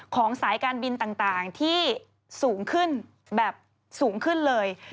สายการบินต่างที่สูงขึ้นแบบสูงขึ้นเลย